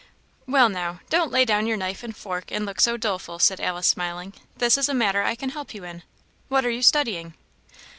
"Well, now, don't lay down your knife and fork and look so doleful," said Alice, smiling; "this is a matter I can help you in. What are you studying?"